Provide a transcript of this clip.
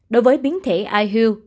đối với biến thể ihu